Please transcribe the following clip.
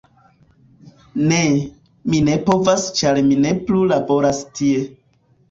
"Ne. Mi ne povas ĉar mi ne plu laboras tie.